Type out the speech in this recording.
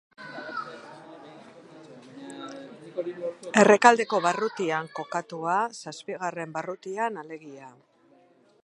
Errekaldeko barrutian kokatua, zazpigarren barrutian alegia.